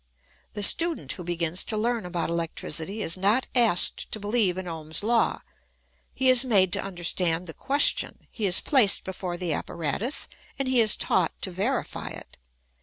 The student who begins to learn about electricity is not asked to beheve in Ohm's law : he is made to understand the question, he is placed before the apparatus, and he is taught to verify it.